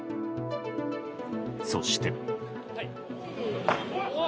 そして。